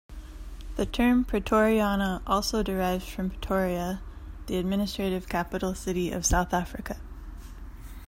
The term "Praetoriana" also derives from Pretoria, the administrative capital city of South Africa.